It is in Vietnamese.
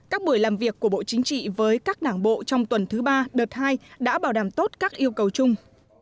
các buổi làm việc của bộ chính trị với các đảng bộ trong tuần thứ ba đợt hai đã bảo đảm tốt các yêu cầu chung